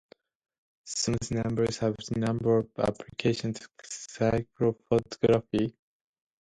Smooth numbers have a number of applications to cryptography.